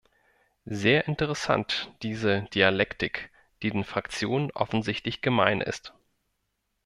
Sehr interessant diese Dialektik, die den Fraktionen offensichtlich gemein ist!